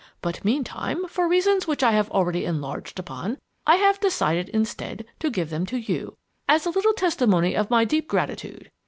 But meantime, for reasons which I have already enlarged upon, I have decided instead to give them to you, as a little testimonial of my deep gratitude.